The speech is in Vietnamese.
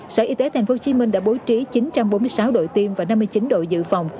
sở y tế thành phố hồ chí minh đã bố trí chín trăm bốn mươi sáu đội tiêm và năm mươi chín đội dự phòng